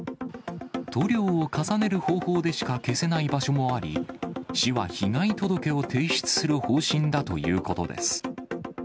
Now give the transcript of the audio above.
塗料を重ねる方法でしか消せない場所もあり、市は被害届を提出する方針だということです。